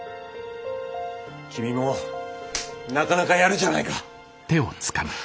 君もなかなかやるじゃないか。